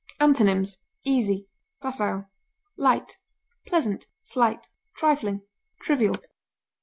Antonyms: easy, facile, light, pleasant, slight, trifling, trivial.